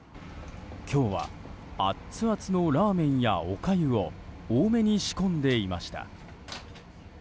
今日はアツアツのラーメンやおかゆを多めに仕込んでいました。